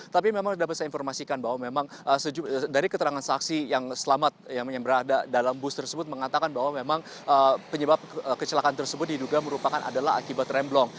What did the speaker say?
tapi memang dapat saya informasikan bahwa memang dari keterangan saksi yang selamat yang berada dalam bus tersebut mengatakan bahwa memang penyebab kecelakaan tersebut diduga merupakan adalah akibat remblong